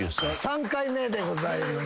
３回目でございます。